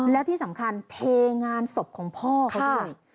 และที่สำคัญเทงานศพของพ่อเขาด้วย